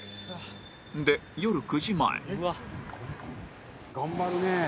で夜９時前「頑張るね」